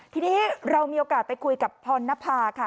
ทีนี้เรามีโอกาสไปคุยกับพรณภาค่ะ